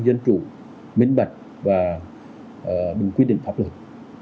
dân chủ minh bạch và bình quyết định pháp luật